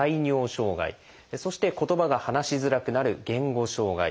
そして言葉が話しづらくなる「言語障害」。